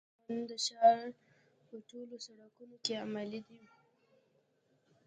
د ترافیک قوانین د ښار په ټولو سړکونو کې عملي دي.